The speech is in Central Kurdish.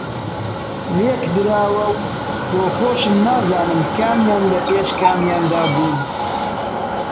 لێکدراوە و بۆخۆشم نازانم کامیان لەپێش کامیاندا بوون